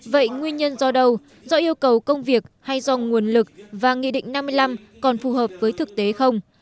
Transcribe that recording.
vậy nguyên nhân do đâu do yêu cầu công việc hay do nguồn lực và nghị định năm mươi năm còn phù hợp với thực tế không